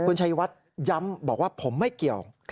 คุณชัยวัดย้ำบอกว่าผมไม่เกี่ยว